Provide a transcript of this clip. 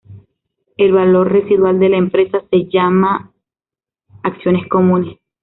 El valor residual de la empresa se llama acciones comunes.